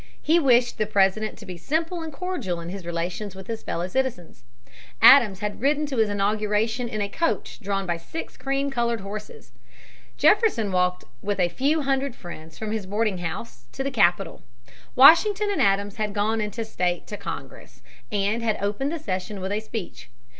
He wished the President to be simple and cordial in his relations with his fellow citizens. Adams had ridden to his inauguration in a coach drawn by six cream colored horses. Jefferson walked with a few friends from his boarding house to the Capitol. Washington and Adams had gone in state to Congress and had opened the session with a speech.